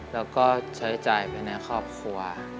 แล้วก็ใช้จ่ายไปในครอบครัว